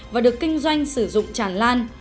và được kinh doanh sử dụng tràn lan